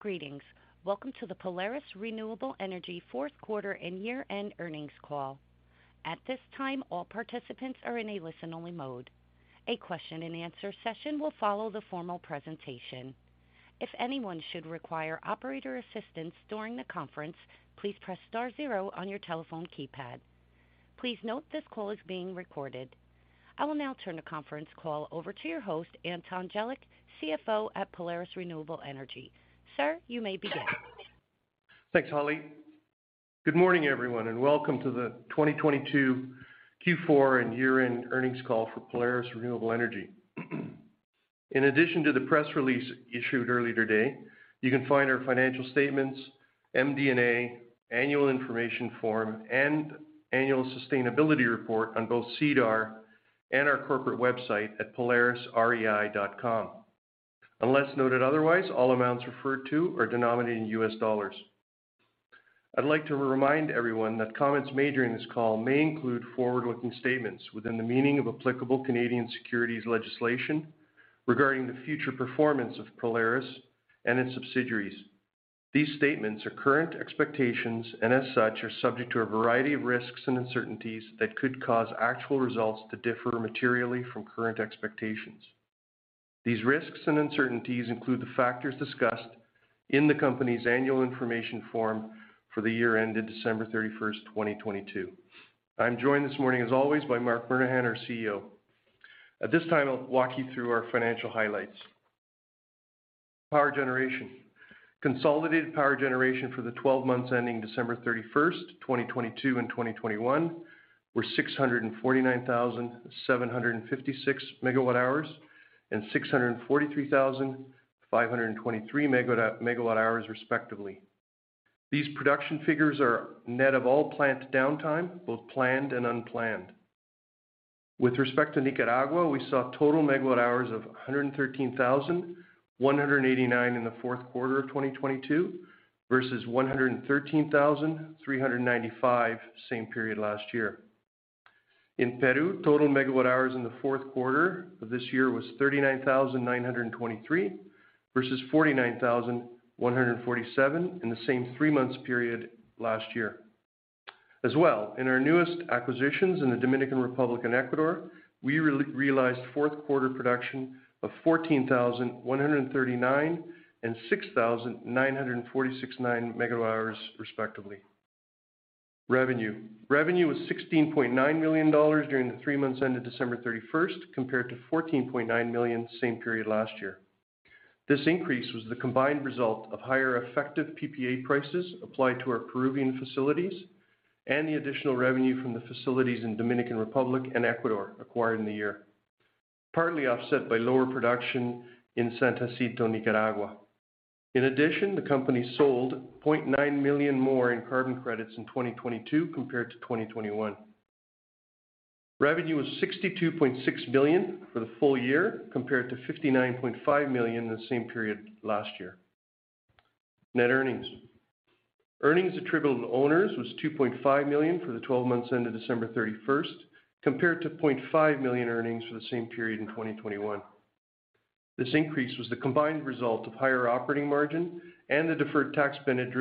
Greetings. Welcome to the Polaris Renewable Energy Fourth Quarter and Year-End Earnings Call. At this time, all participants are in a listen-only mode. A question-and-answer session will follow the formal presentation. If anyone should require operator assistance during the conference, please press star zero on your telephone keypad. Please note this call is being recorded. I will now turn the conference call over to your host, Anton Jelic, CFO at Polaris Renewable Energy. Sir, you may begin. Thanks, Holly. Good morning, everyone, and welcome to the 2022 Q4 and year-end earnings call for Polaris Renewable Energy. In addition to the press release issued earlier today, you can find our financial statements, MD&A, annual information form, and annual sustainability report on both SEDAR and our corporate website at polarisrei.com. Unless noted otherwise, all amounts referred to are denominated in U.S. dollars. I'd like to remind everyone that comments made during this call may include forward-looking statements within the meaning of applicable Canadian securities legislation regarding the future performance of Polaris and its subsidiaries. These statements are current expectations and as such, are subject to a variety of risks and uncertainties that could cause actual results to differ materially from current expectations. These risks and uncertainties include the factors discussed in the company's annual information form for the year ended December 31st, 2022. I'm joined this morning, as always, by Marc Murnaghan, our CEO. At this time, I'll walk you through our financial highlights. Power generation. Consolidated power generation for the 12 months ending December 31, 2022 and 2021 were 649,756 MWh and 643,523 MWh, respectively. These production figures are net of all plant downtime, both planned and unplanned. With respect to Nicaragua, we saw total megawatt hours of 113,189 in the fourth quarter of 2022 versus 113,395 same period last year. In Peru, total megawatt hours in the fourth quarter of this year was 39,923 versus 49,147 in the same three months period last year. As well, in our newest acquisitions in the Dominican Republic and Ecuador, we re-realized fourth quarter production of 14,139 MWh and 6,946.9 MWh, respectively. Revenue was $16.9 million during the three months ended December 31, compared to $14.9 million same period last year. This increase was the combined result of higher effective PPA prices applied to our Peruvian facilities and the additional revenue from the facilities in Dominican Republic and Ecuador acquired in the year, partly offset by lower production in San Jacinto, Nicaragua. In addition, the company sold $0.9 million more in carbon credits in 2022 compared to 2021. Revenue was $62.6 million for the full year compared to $59.5 million the same period last year. Net earnings. Earnings attributable to owners was $2.5 million for the 12 months ended December 31st, compared to $0.5 million earnings for the same period in 2021. This increase was the combined result of higher operating margin and the deferred tax benefit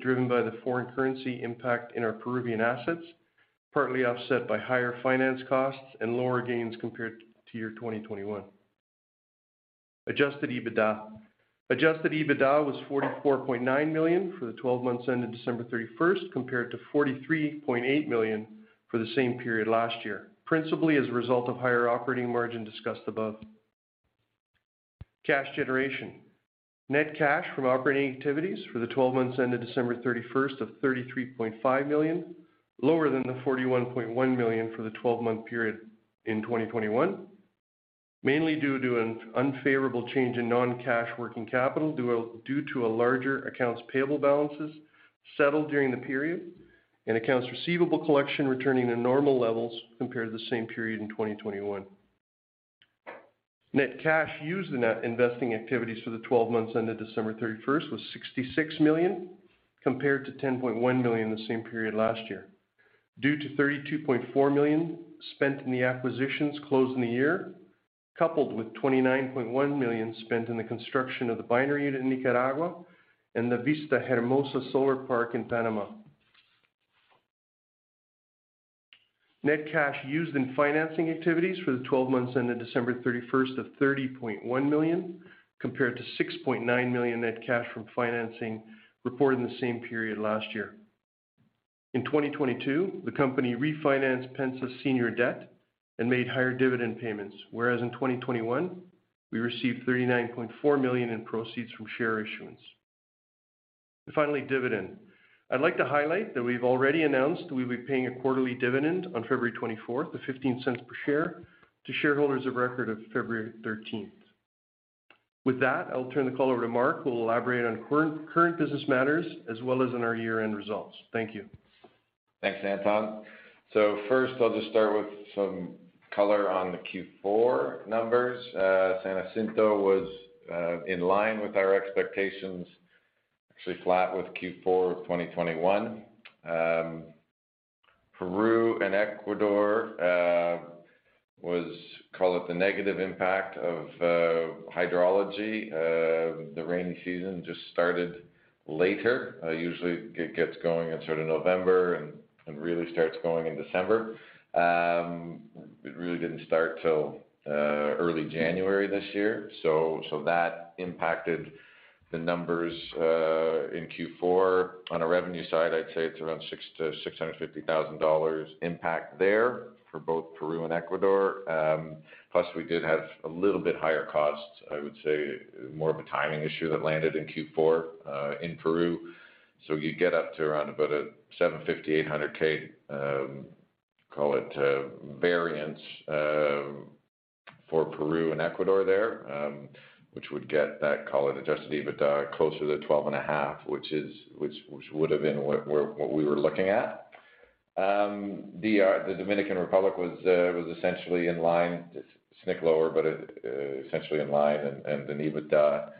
driven by the foreign currency impact in our Peruvian assets, partly offset by higher finance costs and lower gains compared to year 2021. Adjusted EBITDA. Adjusted EBITDA was $44.9 million for the 12 months ended December 31st, compared to $43.8 million for the same period last year, principally as a result of higher operating margin discussed above. Cash generation. Net cash from operating activities for the 12 months ended December 31st of $33.5 million, lower than the $41.1 million for the 12-month period in 2021, mainly due to an unfavorable change in non-cash working capital due to a larger accounts payable balances settled during the period and accounts receivable collection returning to normal levels compared to the same period in 2021. Net cash used in investing activities for the 12 months ended December 31st was $66 million, compared to $10.1 million the same period last year, due to $32.4 million spent in the acquisitions closed in the year, coupled with $29.1 million spent in the construction of the Binary Unit in Nicaragua and the Vista Hermosa Solar Park in Panama. Net cash used in financing activities for the 12 months ended December 31st of $30.1 million, compared to $6.9 million net cash from financing reported in the same period last year. In 2022, the company refinanced PENSA's senior debt and made higher dividend payments, whereas in 2021 we received $39.4 million in proceeds from share issuance. Finally, dividend. I'd like to highlight that we've already announced we'll be paying a quarterly dividend on February 24th of $0.15 per share to shareholders of record of February 13th. With that, I'll turn the call over to Mark, who will elaborate on current business matters as well as on our year-end results. Thank you. Thanks, Anton. First, I'll just start with some color on the Q4 numbers. San Jacinto was in line with our expectations, actually flat with Q4 of 2021. Peru and Ecuador was, call it the negative impact of hydrology. The rainy season just started later. Usually it gets going in sort of November and really starts going in December. It really didn't start till early January this year. That impacted the numbers in Q4. On a revenue side, I'd say it's around $600,000-$650,000 impact there for both Peru and Ecuador. Plus we did have a little bit higher costs, I would say more of a timing issue that landed in Q4 in Peru. You get up to around about a $750,000-$800,000 call it variance for Peru and Ecuador there, which would get that call it adjusted EBITDA closer to $12.5 million, which is, which would have been what we were looking at. The Dominican Republic was essentially in line, a snick lower, but essentially in line and an EBITDA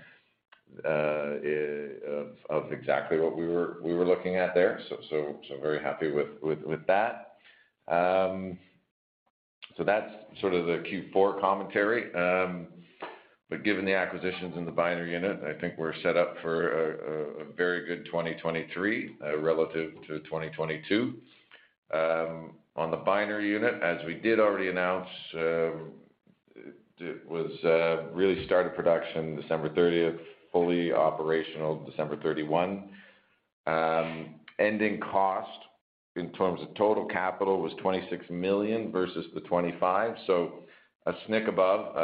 of exactly what we were looking at there. Very happy with that. That's sort of the Q4 commentary. Given the acquisitions in the Binary Unit, I think we're set up for a very good 2023 relative to 2022. On the Binary Unit, as we did already announce, it was really started production December 30th, fully operational December 31. Ending cost in terms of total capital was $26 million versus the $25 million, a snick above,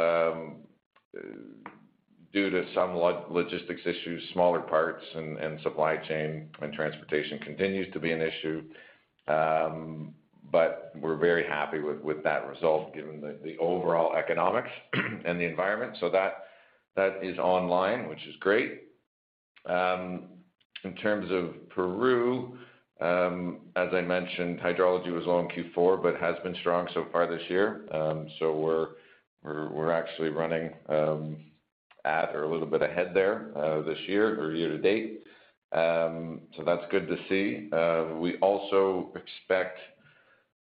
due to some logistics issues, smaller parts and supply chain and transportation continues to be an issue. We're very happy with that result given the overall economics and the environment. That is online, which is great. In terms of Peru, as I mentioned, hydrology was low in Q4 but has been strong so far this year. We're actually running at or a little bit ahead there this year or year to date. That's good to see. We also expect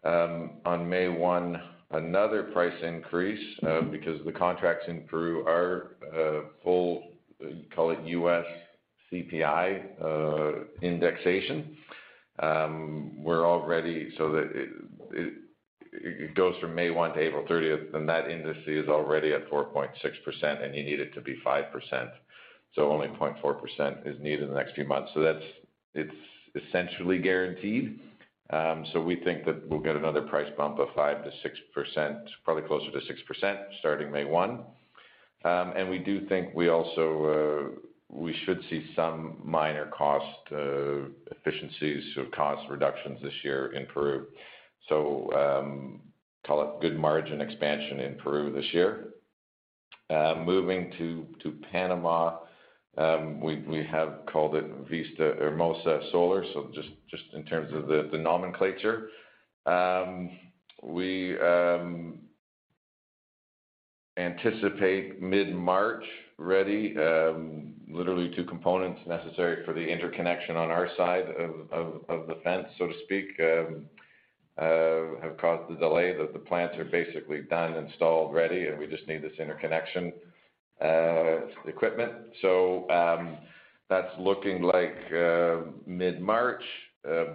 on May 1 another price increase because the contracts in Peru are full, call it US CPI, indexation. We're already so that it goes from May 1 to April 30. That industry is already at 4.6%, and you need it to be 5%. Only 0.4% is needed in the next few months. It's essentially guaranteed. We think that we'll get another price bump of 5%-6%, probably closer to 6%, starting May 1. We do think we also we should see some minor cost efficiencies or cost reductions this year in Peru. Call it good margin expansion in Peru this year. Moving to Panama, we have called it Vista Hermosa Solar, just in terms of the nomenclature. We anticipate mid-March ready, literally two components necessary for the interconnection on our side of the fence, so to speak, have caused the delay, but the plants are basically done, installed, ready, and we just need this interconnection equipment. That's looking like mid-March.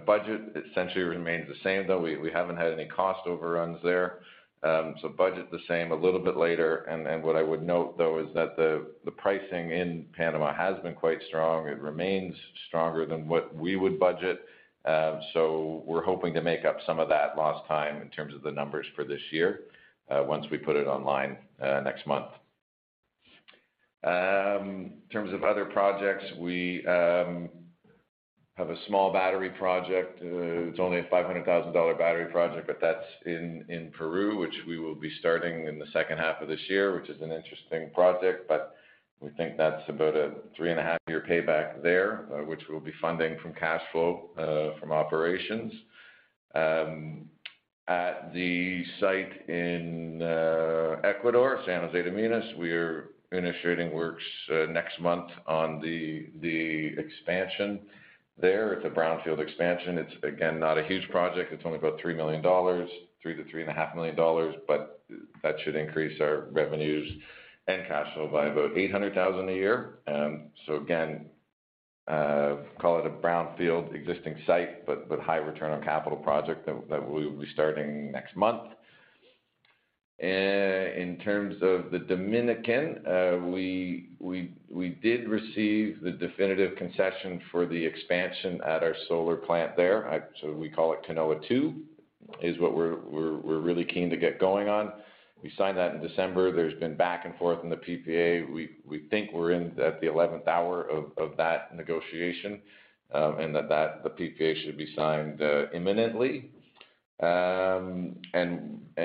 Budget essentially remains the same, though. We haven't had any cost overruns there. Budget the same, a little bit later. What I would note though is that the pricing in Panama has been quite strong. It remains stronger than what we would budget. We're hoping to make up some of that lost time in terms of the numbers for this year, once we put it online next month. In terms of other projects, we have a small battery project. It's only a $500,000 battery project, but that's in Peru, which we will be starting in the second half of this year, which is an interesting project. We think that's about a 3.5-year payback there, which we'll be funding from cash flow from operations. At the site in Ecuador, San José de Minas, we're initiating works next month on the expansion there. It's a brownfield expansion. It's again not a huge project. It's only about $3 million, $3 million-$3.5 million, but that should increase our revenues and cash flow by about $800,000 a year. So again, call it a brownfield existing site, but high return on capital project that we'll be starting next month. In terms of the Dominican, we did receive the definitive concession for the expansion at our solar plant there. We call it Canoa II, is what we're really keen to get going on. We signed that in December. There's been back and forth in the PPA. We think we're in at the 11th hour of that negotiation, and the PPA should be signed imminently. Even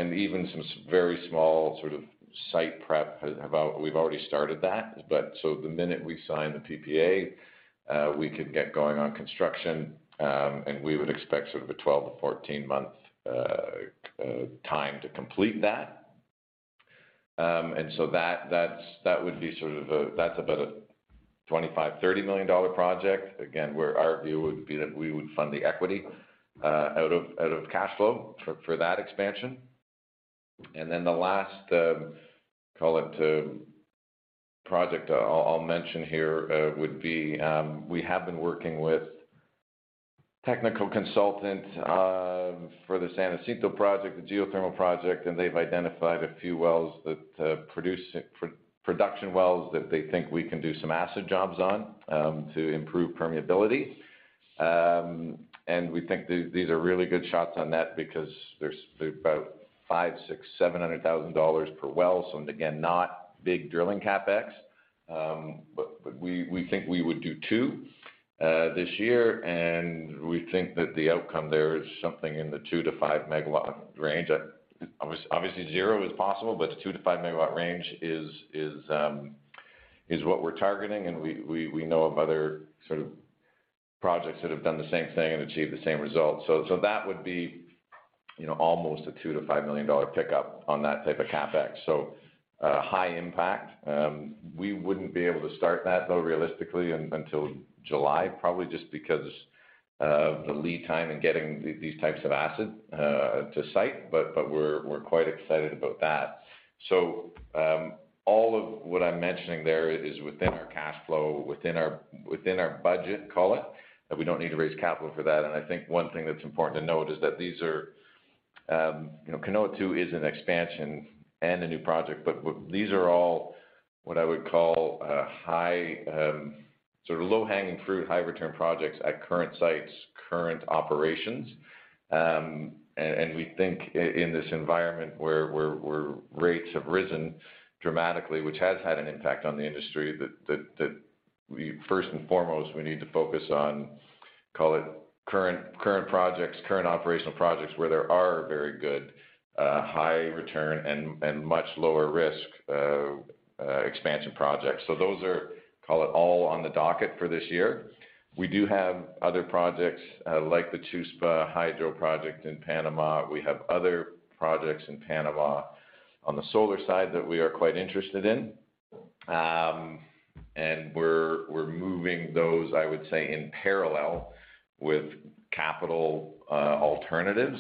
some very small sort of site prep, we've already started that. The minute we sign the PPA, we can get going on construction, and we would expect sort of a 12-14 month time to complete that. That's about a $25 million-$30 million project. Where our view would be that we would fund the equity out of cash flow for that expansion. The last call it project I'll mention here would be, we have been working with technical consultant for the San Jacinto project, the geothermal project, and they've identified a few wells that production wells that they think we can do some acid jobs on to improve permeability. We think these are really good shots on that because there's about $500,000-$700,000 per well. Not big drilling CapEx. But we think we would do two this year, and we think that the outcome there is something in the 2 MW-5 MW megawatt range. Obviously zero is possible, but the 2 MW-5 MW megawatt range is what we're targeting, and we know of other sort of projects that have done the same thing and achieved the same results. That would be, you know, almost a $2 million-$5 million pickup on that type of CapEx. High impact. We wouldn't be able to start that though realistically until July, probably just because of the lead time in getting these types of acid to site. We're quite excited about that. All of what I'm mentioning there is within our cash flow, within our budget, call it, that we don't need to raise capital for that. I think one thing that's important to note is that these are, you know, Canoa II is an expansion and a new project, but these are all what I would call a high, sort of low-hanging fruit, high-return projects at current sites, current operations. We think in this environment where rates have risen dramatically, which has had an impact on the industry, that we first and foremost, we need to focus on, call it current projects, current operational projects where there are very good, high return and much lower risk expansion projects. Those are, call it, all on the docket for this year. We do have other projects, like the Chuspa-Hydro project in Panama. We have other projects in Panama on the solar side that we are quite interested in. We're moving those, I would say, in parallel with capital alternatives,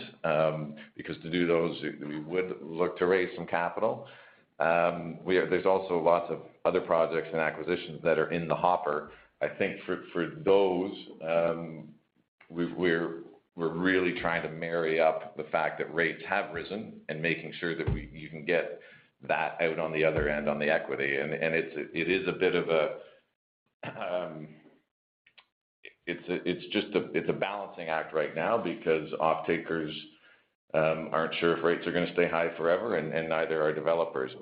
because to do those, we would look to raise some capital. There's also lots of other projects and acquisitions that are in the hopper. I think for those, we're really trying to marry up the fact that rates have risen and making sure that we even get that out on the other end on the equity. It is a bit of a, it's just a balancing act right now because offtakers aren't sure if rates are gonna stay high forever and neither are developers.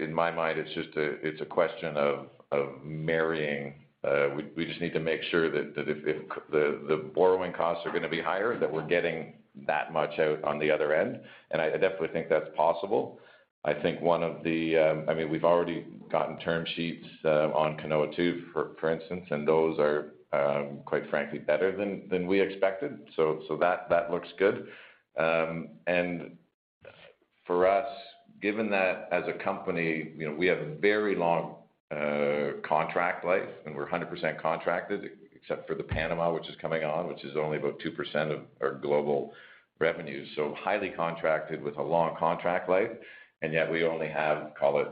In my mind, it's just a question of marrying. We just need to make sure that if the borrowing costs are gonna be higher, that we're getting that much out on the other end. I definitely think that's possible. I think one of the, I mean, we've already gotten term sheets on Canoa II, for instance, and those are quite frankly, better than we expected. so that looks good. For us, given that as a company, you know, we have a very long contract life, and we're 100% contracted, except for the Panama, which is coming on, which is only about 2% of our global revenue. Highly contracted with a long contract life, and yet we only have, call it,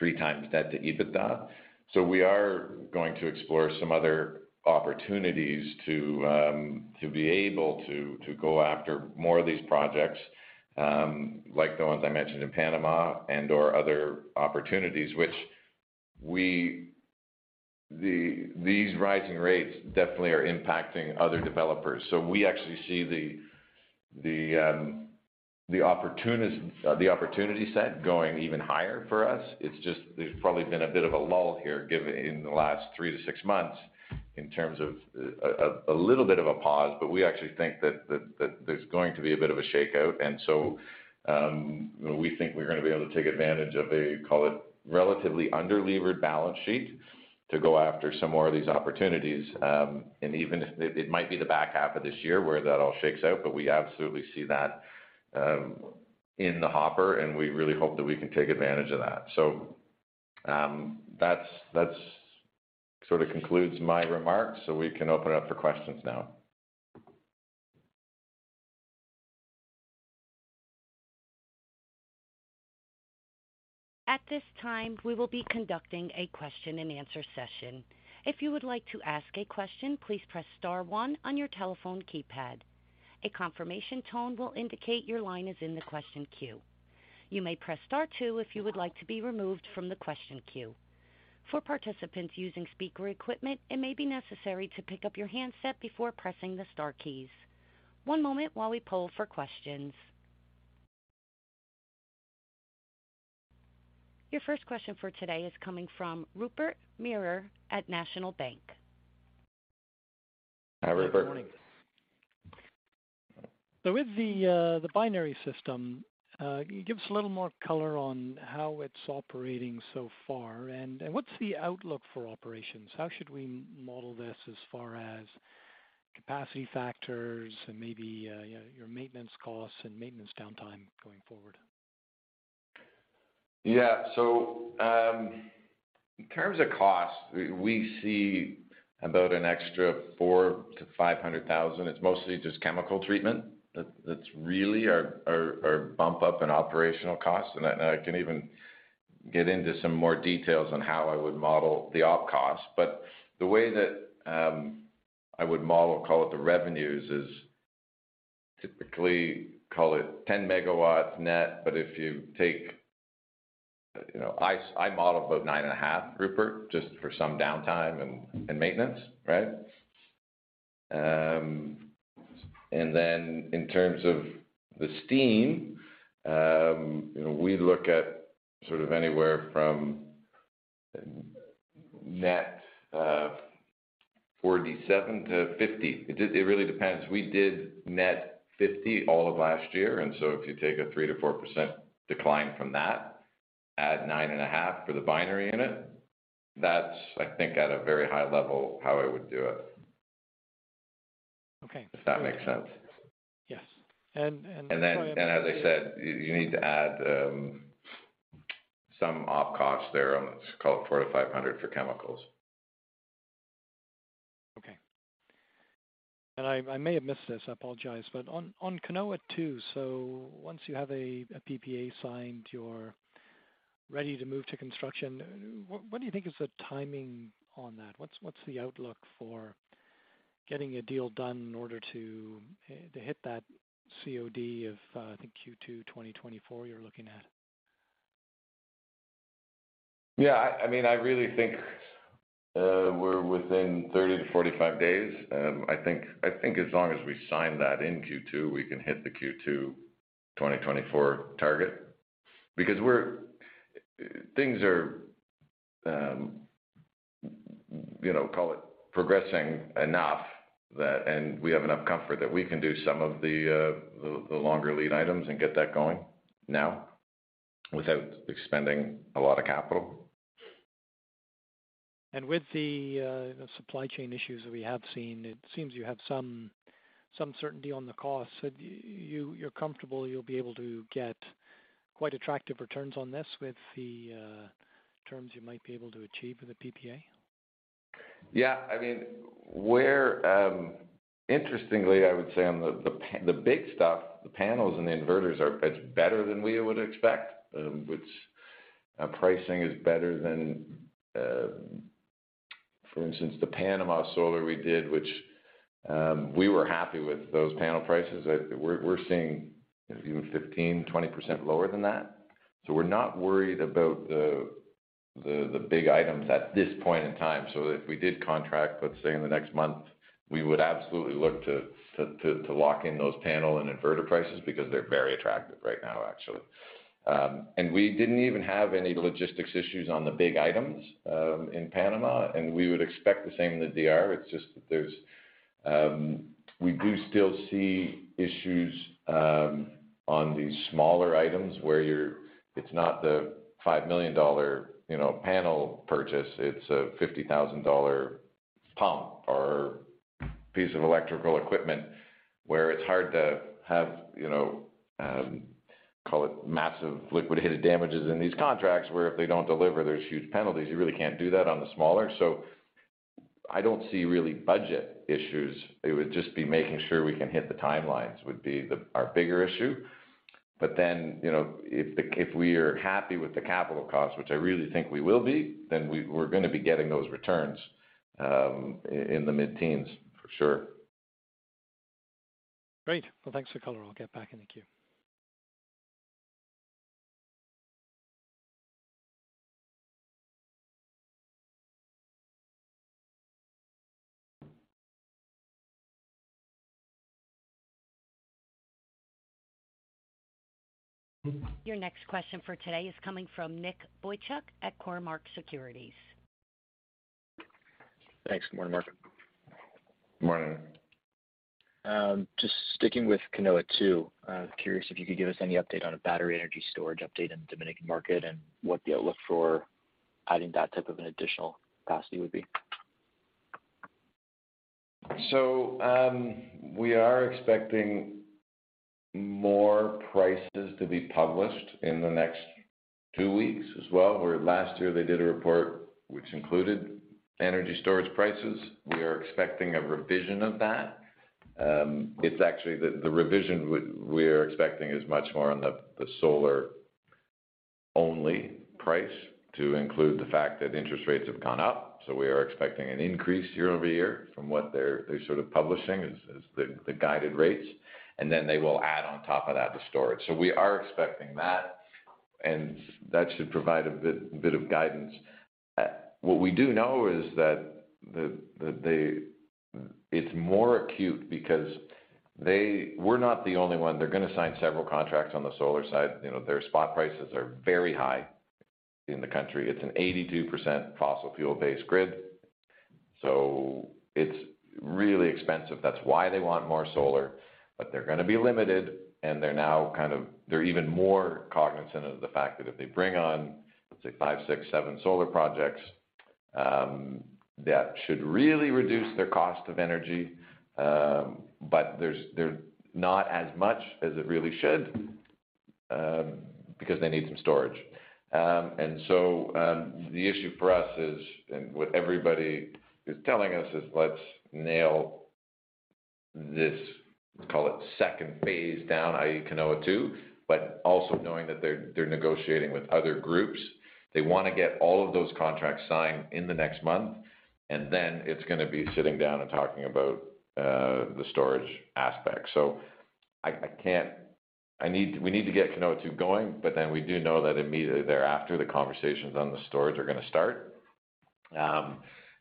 3x debt to EBITDA. We are going to explore some other opportunities to be able to go after more of these projects, like the ones I mentioned in Panama and/or other opportunities, which we. These rising rates definitely are impacting other developers. We actually see the opportunity set going even higher for us. It's just there's probably been a bit of a lull here in the last three to six months in terms of a little bit of a pause, but we actually think that there's going to be a bit of a shakeout. We think we're gonna be able to take advantage of a, call it, relatively under-levered balance sheet to go after some more of these opportunities. And even if, it might be the back half of this year where that all shakes out, but we absolutely see that in the hopper, and we really hope that we can take advantage of that. That's sort of concludes my remarks, so we can open up for questions now. At this time, we will be conducting a question and answer session. If you would like to ask a question, please press star one on your telephone keypad. A confirmation tone will indicate your line is in the question queue. You may press star two if you would like to be removed from the question queue. For participants using speaker equipment, it may be necessary to pick up your handset before pressing the star keys. One moment while we poll for questions. Your first question for today is coming from Rupert Merer at National Bank. Hi, Rupert. Good morning. With the Binary system, can you give us a little more color on how it's operating so far, and what's the outlook for operations? How should we model this as far as capacity factors and maybe, you know, your maintenance costs and maintenance downtime going forward? In terms of cost, we see about an extra $400,000-$500,000. It's mostly just chemical treatment that's really our bump up in operational cost. I can even get into some more details on how I would model the Op cost. The way that I would model, call it the revenues, is typically, call it 10 MW net. You know, I model about 9.5 MW, Rupert, just for some downtime and maintenance, right? Then, in terms of the steam, you know, we look at sort of anywhere from net 47 MW-50 MW. It really depends. We did net 50 MW all of last year, and so if you take a 3%-4% decline from that, add 9.5 MW for the Binary Unit, that's I think at a very high level how I would do it. Okay. If that makes sense. Yes. And then- Go ahead. As I said, you need to add some OpEx there. Let's call it $400,000-$500,000 for chemicals. Okay. I may have missed this, I apologize, but on Canoa II, so once you have a PPA signed, you're ready to move to construction, what do you think is the timing on that? What's the outlook for getting a deal done in order to hit that COD of I think Q2 2024 you're looking at? Yeah. I mean, I really think, we're within 30-45 days. I think as long as we sign that in Q2, we can hit the Q2 2024 target. Things are, you know, call it progressing enough that, and we have enough comfort that we can do some of the longer lead items and get that going now without expending a lot of capital. With the supply chain issues that we have seen, it seems you have some certainty on the cost. You're comfortable you'll be able to get quite attractive returns on this with the terms you might be able to achieve with a PPA? Yeah. I mean, we're Interestingly, I would say on the big stuff, the panels and the inverters are better than we would expect, which pricing is better than for instance, the Panama solar we did, which we were happy with those panel prices. We're seeing even 15%-20% lower than that. We are not worried about the big items at this point in time. If we did contract, let's say in the next month, we would absolutely look to lock in those panel and inverter prices because they're very attractive right now, actually. We didn't even have any logistics issues on the big items in Panama, and we would expect the same in the DR. It's just that there's We do still see issues on these smaller items where it's not the $5 million, you know, panel purchase, it's a $50,000 pump or piece of electrical equipment where it's hard to have, you know, call it massive liquidated damages in these contracts, where if they don't deliver, there's huge penalties. You really can't do that on the smaller. I don't see really budget issues. It would just be making sure we can hit the timelines, would be the, our bigger issue. You know, if the, if we are happy with the capital costs, which I really think we will be, then we're gonna be getting those returns in the mid-teens for sure. Great. Well, thanks for color. I'll get back in the queue. Your next question for today is coming from Nick Boychuk at Cormark Securities. Thanks. Good morning, Marc. Morning. Just sticking with Canoa II, I was curious if you could give us any update on a battery energy storage update in Dominican market and what the outlook for adding that type of an additional capacity would be? We are expecting more prices to be published in the next two weeks as well, where last year they did a report which included energy storage prices. We are expecting a revision of that. It's actually the revision we're expecting is much more on the solar-only price to include the fact that interest rates have gone up. We are expecting an increase year-over-year from what they're sort of publishing as the guided rates. They will add on top of that the storage. We are expecting that, and that should provide a bit of guidance. What we do know is that it's more acute because we're not the only one. They're gonna sign several contracts on the solar side. You know, their spot prices are very high in the country. It's an 82% fossil fuel-based grid. So it's really expensive. That's why they want more solar, but they're going to be limited, and they're now they're even more cognizant of the fact that if they bring on, let say, five, six, seven solar projects, that should really reduce their cost of energy. But there's, they're not as much as it really should, because they need some storage. The issue for us is, and what everybody is telling us is let's nail this, let's call it second phase down, i.e. Canoa II, but also knowing that they're negotiating with other groups. They want to get all of those contracts signed in the next month, and then it's going to be sitting down and talking about the storage aspect. We need to get Canoa II going, but then we do know that immediately thereafter, the conversations on the storage are going to start.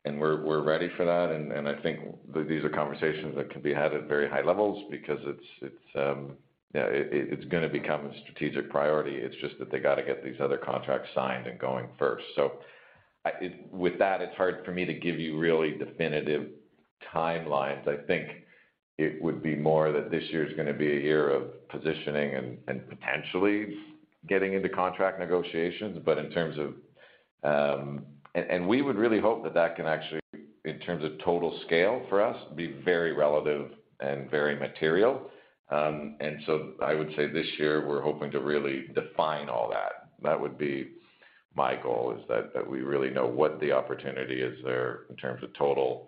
And we're ready for that, and I think these are conversations that can be had at very high levels because it's, you know, it's going to become a strategic priority. It's just that they got to get these other contracts signed and going first. With that, it's hard for me to give you really definitive timelines. I think it would be more that this year is going to be a year of positioning and potentially getting into contract negotiations. In terms of, and we would really hope that that can actually, in terms of total scale for us, be very relative and very material. I would say this year we're hoping to really define all that. That would be my goal is that we really know what the opportunity is there in terms of total.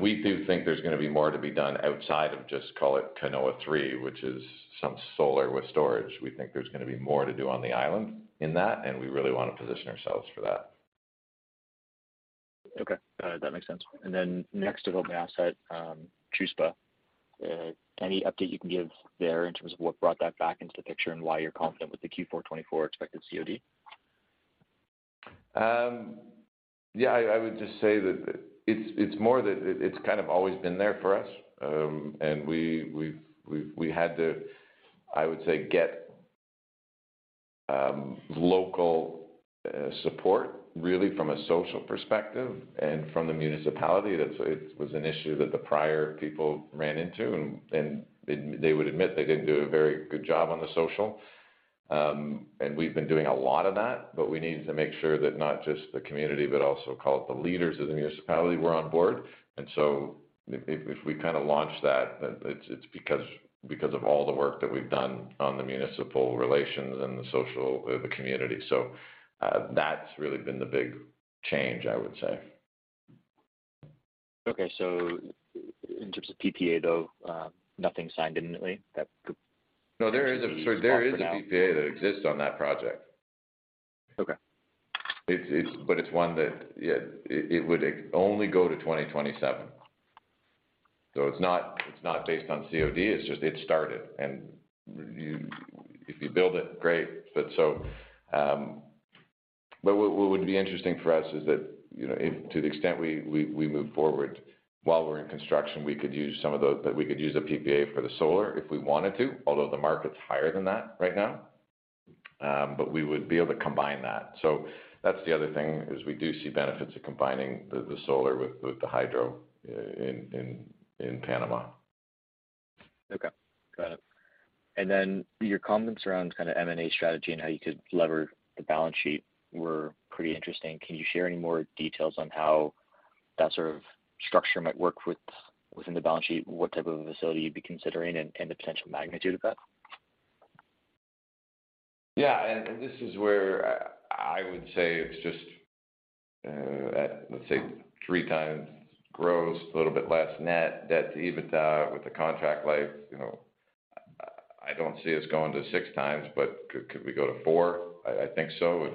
We do think there's going to be more to be done outside of just call it Canoa III, which is some solar with storage. We think there's going to be more to do on the island in that, and we really want to position ourselves for that. Okay. That makes sense. Next available asset, Chuspa. Any update you can give there in terms of what brought that back into the picture and why you're confident with the Q4 2024 expected COD? Yeah, I would just say that it's more that it's kind of always been there for us. We had to, I would say, get local support really from a social perspective and from the municipality. It was an issue that the prior people ran into, and they would admit they didn't do a very good job on the social. We've been doing a lot of that, but we needed to make sure that not just the community, but also call it the leaders of the municipality were on board. If we kind of launched that, it's because of all the work that we've done on the municipal relations and the social, the community. That's really been the big change, I would say. Okay. In terms of PPA, though, nothing signed imminently that could potentially be off for now? No, there is a PPA that exists on that project. Okay. It's one that, yeah, it would only go to 2027. It's not, it's not based on COD, it's just it started, and if you build it, great. What would be interesting for us is that, you know, if to the extent we move forward while we're in construction, we could use some of the PPA for the solar if we wanted to, although the market's higher than that right now. We would be able to combine that. That's the other thing is we do see benefits of combining the solar with the hydro in Panama. Okay. Got it. Your comments around kind of M&A strategy and how you could lever the balance sheet were pretty interesting. Can you share any more details on how that sort of structure might work within the balance sheet? What type of a facility you'd be considering and the potential magnitude of that? Yeah. This is where I would say it's just, let's say 3x gross, a little bit less net debt to EBITDA with the contract life. You know, I don't see us going to 6x, could we go to 4x? I think so.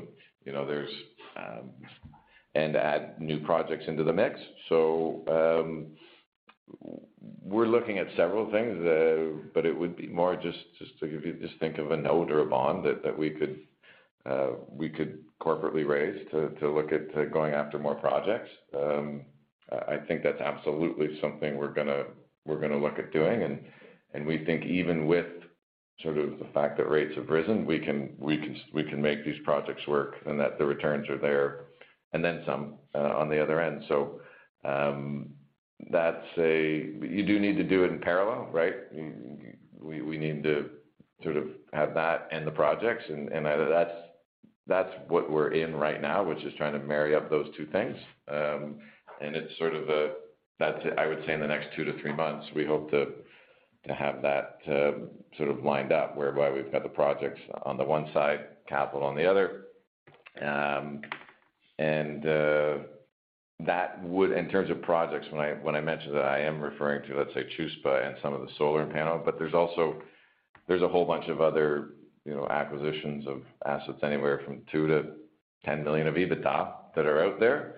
Add new projects into the mix. We're looking at several things, it would be more just to give you. Just think of a note or a bond that we could corporately raise to look at going after more projects. I think that's absolutely something we're gonna look at doing. We think even with sort of the fact that rates have risen, we can make these projects work and that the returns are there, and then some on the other end. You do need to do it in parallel, right? We need to sort of have that and the projects and that's what we're in right now, which is trying to marry up those two things. That's, I would say in the next two to three months, we hope to have that sort of lined up whereby we've got the projects on the one side, capital on the other. In terms of projects, when I mentioned that, I am referring to, let's say, Chuspa and some of the solar in Panama. There's also a whole bunch of other, you know, acquisitions of assets, anywhere from $2 million-$10 million of EBITDA that are out there.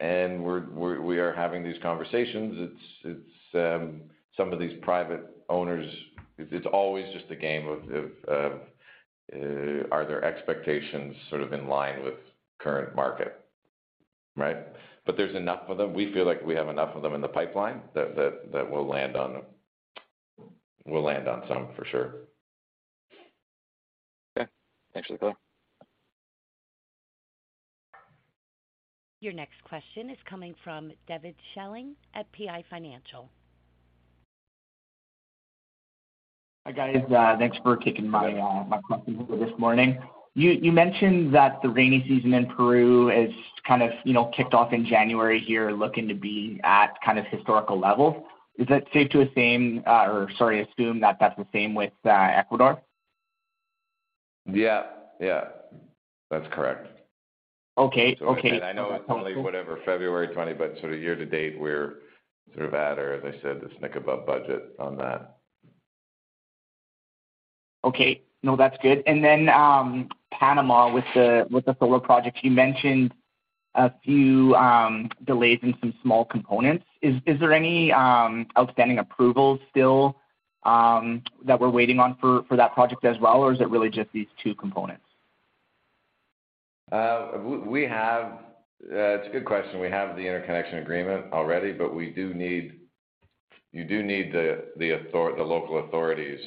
We are having these conversations. It's some of these private owners. It's always just a game of, are their expectations sort of in line with current market, right? There's enough of them. We feel like we have enough of them in the pipeline that we'll land on them. We'll land on some for sure. Okay. Thanks for the color. Your next question is coming from Devin Schilling at PI Financial. Hi, guys, thanks for taking my question this morning. You mentioned that the rainy season in Peru is kind of, you know, kicked off in January here, looking to be at kind of historical levels. Is that safe to assume, or sorry, assume that that's the same with Ecuador? Yeah, yeah. That's correct. Okay. Okay. I know it's only whatever, February 20, but sort of year to date, we're sort of at, or as I said, a snick above budget on that. Okay. No, that's good. Panama with the, with the solar projects, you mentioned a few delays in some small components. Is there any outstanding approvals still that we're waiting on for that project as well? Or is it really just these two components? It's a good question. We have the interconnection agreement already, but we do need the local authorities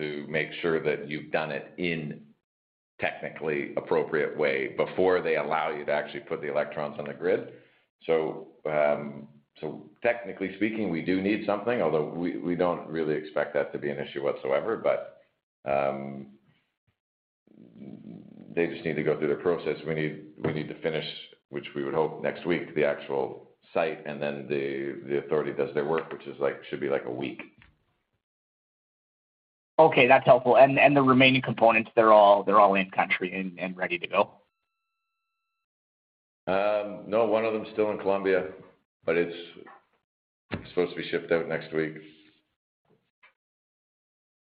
to make sure that you've done it in technically appropriate way before they allow you to actually put the electrons on the grid. Technically speaking, we do need something, although we don't really expect that to be an issue whatsoever. They just need to go through the process. We need to finish, which we would hope next week, the actual site, and then the authority does their work, which is like, should be like a week. Okay, that's helpful. The remaining components, they're all in country and ready to go. One of them is still in Colombia, but it's supposed to be shipped out next week.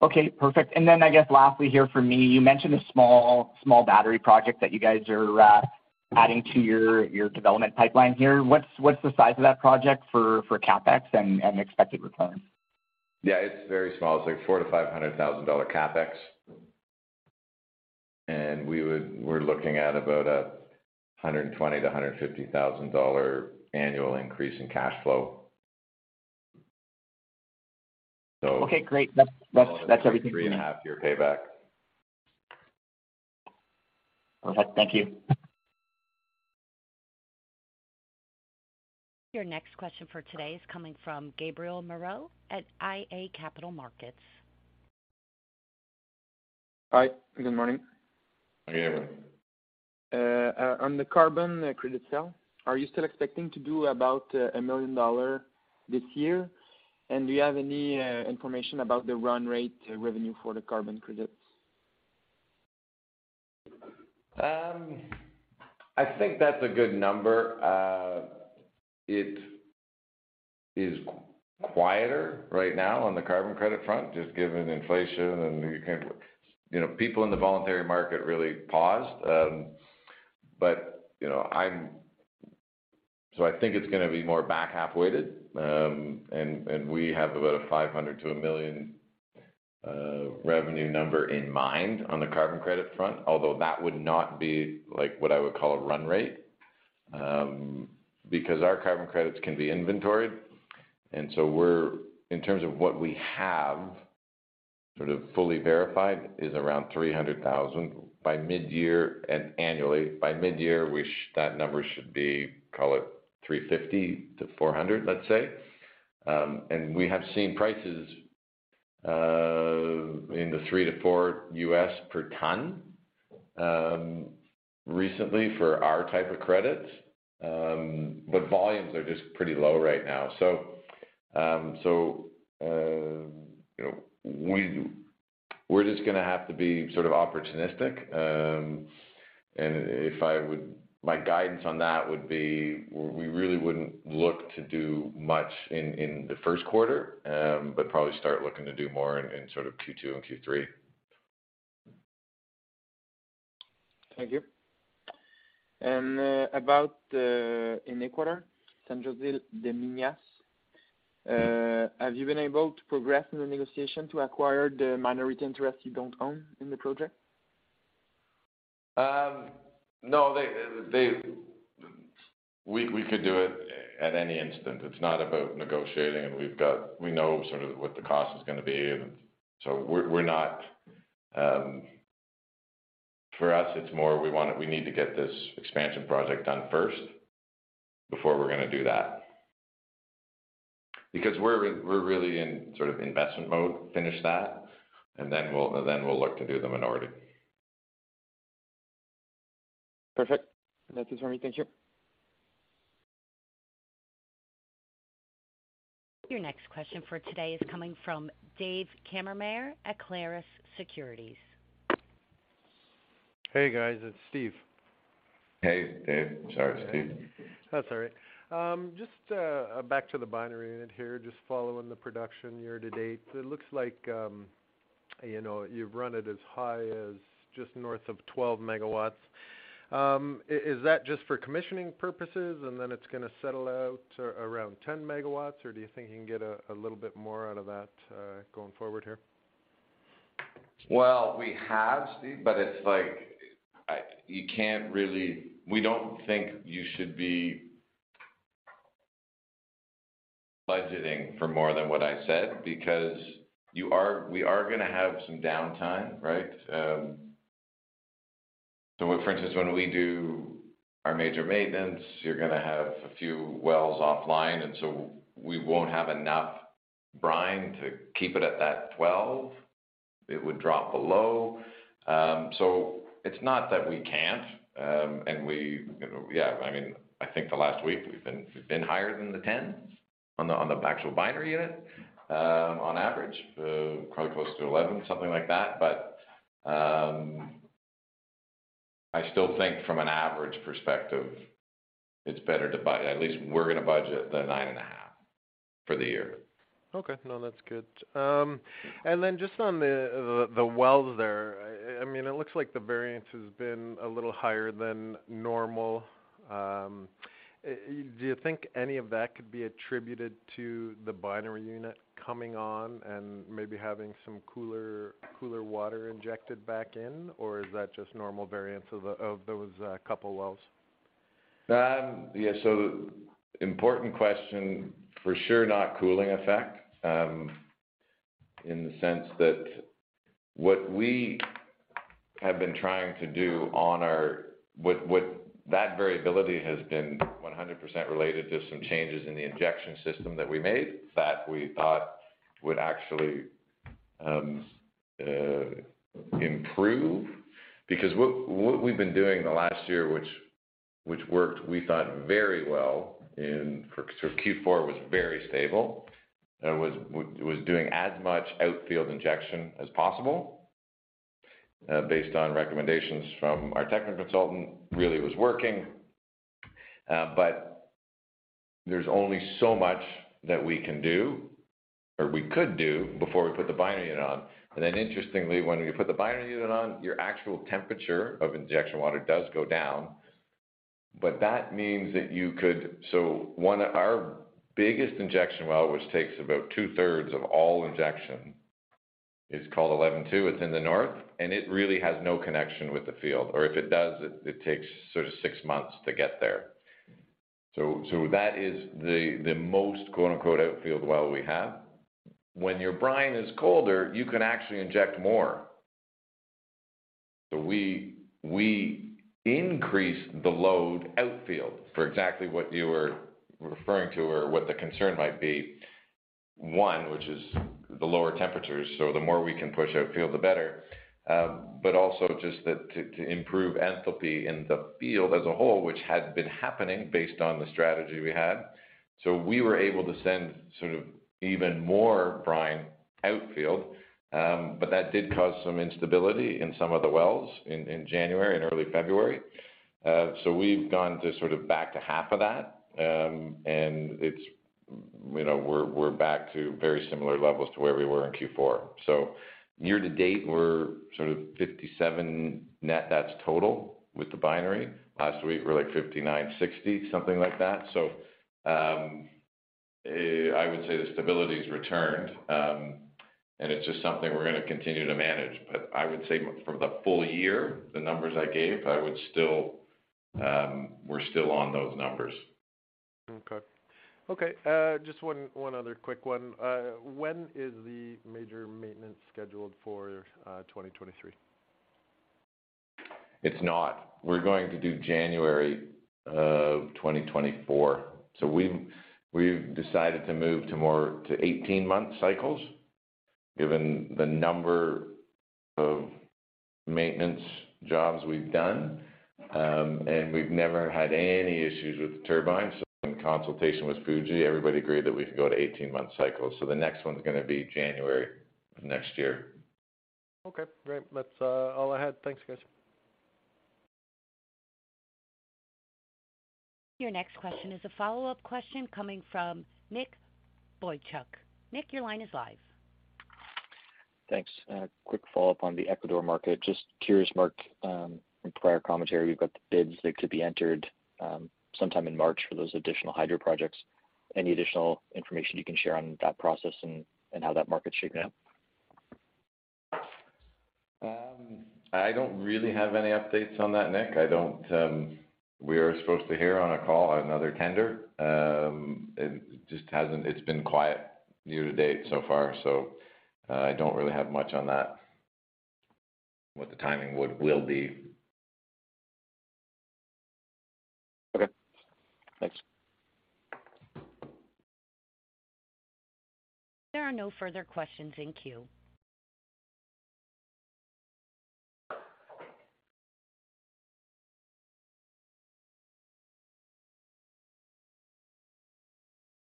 Okay, perfect. I guess lastly here for me, you mentioned a small battery project that you guys are adding to your development pipeline here. What's the size of that project for CapEx and expected return? Yeah, it's very small. It's like $400,000-$500,000 CapEx. We're looking at about a $120,000-$150,000 annual increase in cash flow. Okay, great. That's everything. Three and a half year payback. Perfect. Thank you. Your next question for today is coming from Gabriel Moreau at iA Capital Markets. Hi. Good morning. Hi, Gabriel. On the carbon credit sale, are you still expecting to do about $1 million this year? Do you have any information about the run rate revenue for the carbon credits? I think that's a good number. It is quieter right now on the carbon credit front, just given inflation and you know, people in the voluntary market really paused. You know, I think it's gonna be more back half-weighted. We have about a $500,000-$1 million revenue number in mind on the carbon credit front, although that would not be like what I would call a run rate, because our carbon credits can be inventoried. In terms of what we have, sort of fully verified is around $300,000 by mid-year and annually. By mid-year, that number should be, call it $350,000-$400,000, let's say. We have seen prices in the $3-$4 per ton recently for our type of credits. Volumes are just pretty low right now. You know, we're just gonna have to be sort of opportunistic. My guidance on that would be, we really wouldn't look to do much in the first quarter, probably start looking to do more in sort of Q2 and Q3. Thank you. About the in Ecuador, San José de Minas, have you been able to progress in the negotiation to acquire the minority interest you don't own in the project? No, they, we could do it at any instant. It's not about negotiating. We know sort of what the cost is gonna be. We're not. For us, it's more we need to get this expansion project done first before we're gonna do that. We're really in sort of investment mode, finish that, and then we'll look to do the minority. Perfect. That's it for me. Thank you. Your next question for today is coming from Stephen Kammermayer at Clarus Securities. Hey, guys, it's Steve. Hey, Dave. Sorry, Steve. That's all right. Just back to the Binary Unit here, just following the production year to date. It looks like, you know, you've run it as high as just north of 12 MW. Is that just for commissioning purposes, and then it's gonna settle out around 10 MW? Or do you think you can get a little bit more out of that going forward here? We have, Steve, but it's like, you can't really. We don't think you should be budgeting for more than what I said, because we are gonna have some downtime, right? For instance, when we do our major maintenance, you're gonna have a few wells offline, and so we won't have enough brine to keep it at that 12 MW. It would drop below. it's not that we can't, and we, you know. Yeah, I mean, I think the last week we've been, we've been higher than the 10 MW on the, on the actual Binary Unit, on average, probably close to 11 MW, something like that. I still think from an average perspective, it's better to at least we're gonna budget the 9.5 MW for the year. Okay. No, that's good. Just on the wells there. I mean, it looks like the variance has been a little higher than normal. Do you think any of that could be attributed to the Binary Unit coming on and maybe having some cooler water injected back in, or is that just normal variance of those couple wells? Yeah, so important question. For sure, not cooling effect, in the sense that what we have been trying to do on our. That variability has been 100% related to some changes in the injection system that we made that we thought would actually improve. Because what we've been doing the last year, which worked, we thought very well in, for. Q4 was very stable. Was doing as much outfield injection as possible, based on recommendations from our technical consultant. Really was working. But there's only so much that we can do or we could do before we put the Binary Unit on. Interestingly, when you put the Binary Unit on, your actual temperature of injection water does go down, but that means that you could... One of our biggest injection well, which takes about two-thirds of all injection, is called 11-2. It's in the north, and it really has no connection with the field. If it does, it takes sort of six months to get there. That is the most quote-unquote outfield well we have. When your brine is colder, you can actually inject more. We increase the load outfield for exactly what you were referring to or what the concern might be. One, which is the lower temperatures, so the more we can push outfield, the better. Also just that to improve enthalpy in the field as a whole, which had been happening based on the strategy we had. We were able to send sort of even more brine outfield, but that did cause some instability in some of the wells in January and early February. We've gone to sort of back to half of that, and it's, you know, we're back to very similar levels to where we were in Q4. Year to date we're sort of 57 MW net, that's total with the binary. Last week we were, like, 59 MW, 60 MW, something like that. I would say the stability's returned, and it's just something we're gonna continue to manage. I would say from the full year, the numbers I gave, I would still, we're still on those numbers. Okay. Okay, just one other quick one. When is the major maintenance scheduled for 2023? It's not. We're going to do January of 2024. We've decided to move to 18-month cycles given the number of maintenance jobs we've done, and we've never had any issues with the turbines. In consultation with Fuji, everybody agreed that we can go to 18-month cycles. The next one's gonna be January of next year. Okay, great. That's, all I had. Thanks, guys. Your next question is a follow-up question coming from Nick Boychuk. Nick, your line is live. Thanks. A quick follow-up on the Ecuador market. Just curious, Mark, in prior commentary, you've got the bids that could be entered, sometime in March for those additional hydro projects. Any additional information you can share on that process and how that market's shaping up? I don't really have any updates on that, Nick. I don't. We are supposed to hear on a call another tender. It just hasn't. It's been quiet year to date so far, so I don't really have much on that, what the timing will be. Okay, thanks. There are no further questions in queue.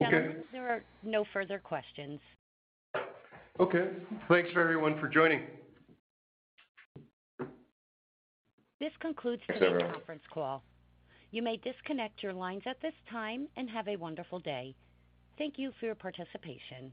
Okay. Gentlemen, there are no further questions. Okay. Thanks for everyone for joining. This concludes today's conference call. You may disconnect your lines at this time, and have a wonderful day. Thank you for your participation.